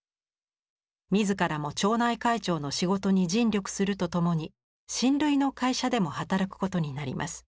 自らも町内会長の仕事に尽力するとともに親類の会社でも働くことになります。